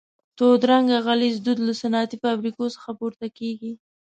تور رنګه غلیظ دود له صنعتي فابریکو څخه پورته کیږي.